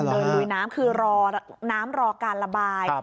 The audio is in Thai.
เดินลุยน้ำคือน้ำรอการระบาย